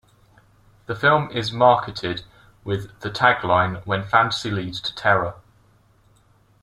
The film is marketed with the tagline When fantasy leads to terror.